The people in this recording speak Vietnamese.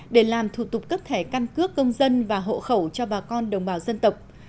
để làm thủ tục cấp thẻ căn cước công dân và hộ khẩu cho bà con đồng bào dân tộc